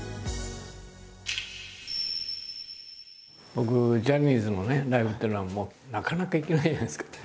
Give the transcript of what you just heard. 僕ジャニーズのライブっていうのはなかなか行けないじゃないですか？